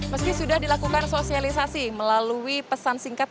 meski sudah dilakukan sosialisasi melalui pesan singkat